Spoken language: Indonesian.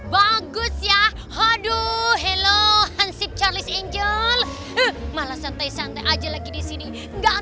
bagus ya waduh halo hansip charles angel malah santai santai aja lagi di sini enggak